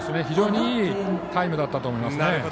非常にいいタイムだったと思います。